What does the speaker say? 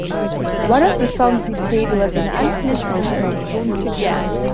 One of the songs he played was an unfinished version of Stoned Love.